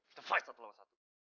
kita fail satu lewat satu